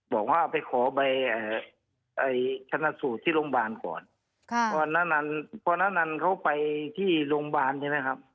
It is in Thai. บอกว่าไปขอใบชนะสูตรที่โรงพยาบาลก่อนพอนานันเขาไปที่โรงพยาบาลใช่ไหมครับ